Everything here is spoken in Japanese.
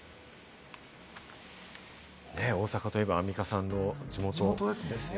大阪といえば、アンミカさんの地元ですね。